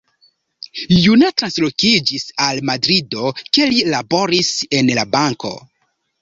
Juna translokiĝis al Madrido, kie li laboris en banko.